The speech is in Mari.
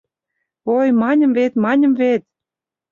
Ой, маньым вет, маньым вет